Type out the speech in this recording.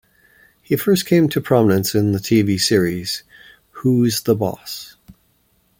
He first came to prominence on the television series "Who's the Boss?".